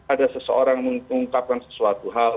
ada seseorang mengungkapkan sesuatu hal